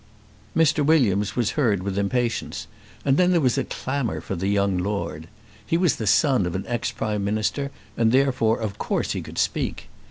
Mr. Williams was heard with impatience, and then there was a clamour for the young lord. He was the son of an ex Prime Minister, and therefore of course he could speak.